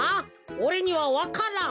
おれにはわからん。